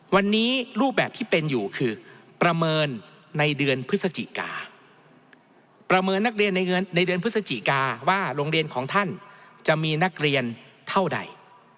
วันนี้รูปแบบที่เป็นอยู่คือประเมินในเดือนพฤศจิกาประเมินนักเรียนในเดือนพฤศจิกาว่าโรงเรียนของท่านจะมีนักเรียนเท่าใด